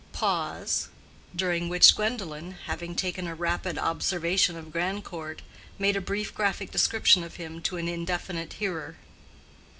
(Pause, during which Gwendolen, having taken a rapid observation of Grandcourt, made a brief graphic description of him to an indefinite hearer.)